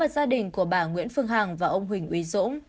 hình của bà nguyễn phương hằng và ông huỳnh uy dũng